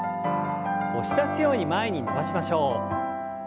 押し出すように前に伸ばしましょう。